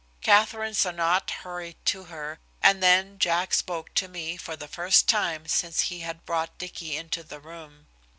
Katherine Sonnot hurried to her, and then Jack spoke to me for the first time since he had brought Dicky into the room.